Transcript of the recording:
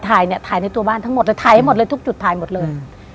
ถ่ายเนี่ยถ่ายในตัวบ้านทั้งหมดเลยถ่ายให้หมดเลยทุกจุดถ่ายหมดเลย